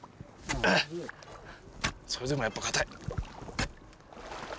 それでもやっぱ硬い！